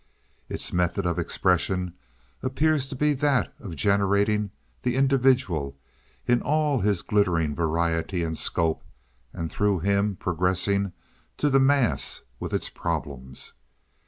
Its method of expression appears to be that of generating the individual, in all his glittering variety and scope, and through him progressing to the mass with its problems.